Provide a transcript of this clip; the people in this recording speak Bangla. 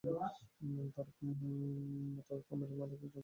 তার মাতা পামেলা মালেক একজন ফ্যাক্টরি কর্মী এবং পিতা পিটার মর্টন।